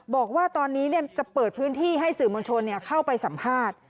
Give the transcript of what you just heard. บอกว่าตอนนี้จะเปิดพื้นที่ให้สื่อมวลชนเข้าไปสัมภาษณ์